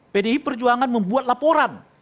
pdi perjuangan membuat laporan